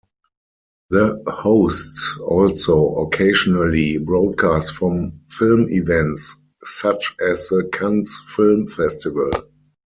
The hosts also occasionally broadcast from film events such as the Cannes Film Festival.